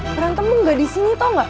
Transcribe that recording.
berantem lu ga disini tau ga